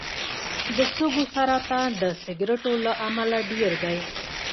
د سږو سرطان د سګرټو له امله ډېر دی.